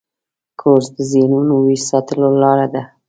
کورس د ذهنو ویښ ساتلو لاره ده.